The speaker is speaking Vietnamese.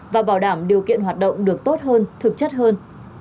và bảo đảm điều kiện hoạt động được tốt hơn thực chất hơn